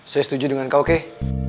saya setuju dengan kau keh